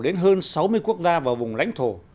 đến hơn sáu mươi quốc gia và vùng lãnh thổ